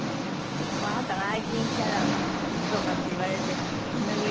でもあなたが愛人キャラだとかっていわれて手拭い